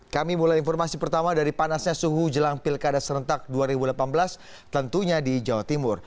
kami mulai informasi pertama dari panasnya suhu jelang pilkada serentak dua ribu delapan belas tentunya di jawa timur